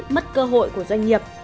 mất cơ hội của doanh nghiệp